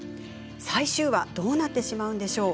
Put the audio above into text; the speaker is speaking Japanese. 最終話どうなってしまうんでしょう。